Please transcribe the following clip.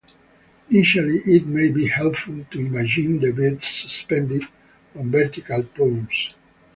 Initially, it may be helpful to imagine the beads suspended on vertical poles.